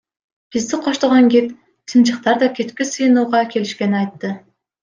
Бизди коштогон гид чымчыктар да кечки сыйынууга келишкенин айтты.